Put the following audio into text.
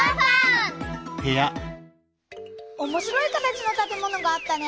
おもしろい形のたてものがあったね。